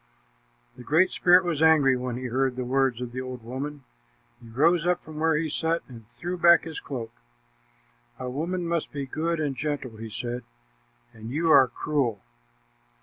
The Great Spirit was angry when he heard the words of the woman. He rose up from where he sat and threw back his cloak. "A woman must be good and gentle," he said, "and you are cruel.